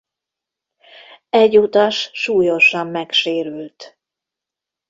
Egy utas súlyosan megsérült.